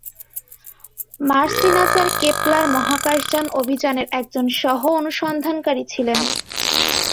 Mercy নাসা-র Kepler মহাকাশযান অভিযানের একজন সহ-অনুসন্ধানকারী ছিলেন।